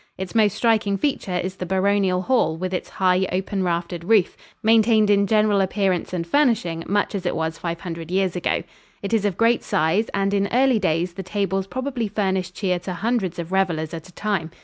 Its most striking feature is the baronial hall with its high, open raftered roof, maintained in general appearance and furnishing much as it was five hundred years ago. It is of great size, and in early days the tables probably furnished cheer to hundreds of revelers at a time.